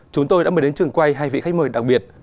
chúng tôi đã mời đến trường quay hai vị khách mời đặc biệt